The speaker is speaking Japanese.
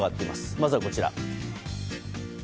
まずはこちら。